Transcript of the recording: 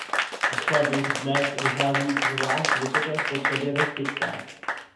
V chladných dnech dochází k zvlášť vysoké spotřebě ve špičkách.